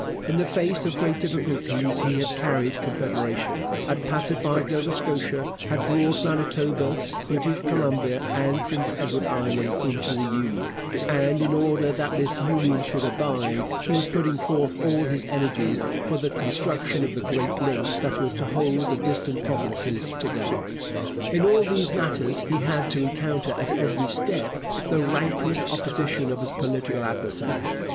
In the face of great difficulties he had carried Confederation, had pacified Nova Scotia, had brought Manitoba, British Columbia, and Prince Edward Island into the Union; and in order that this Union should abide, he was putting forth all his energies for the construction of the great link that was to hold the distant provinces together. In all these matters he had to encounter at every step the rancorous opposition of his political adversaries.